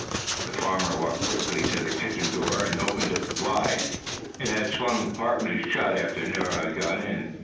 The farmer walked quickly to the kitchen door and opened it wide. It had swung partly shut after Nero had gone in.